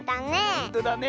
ほんとだね。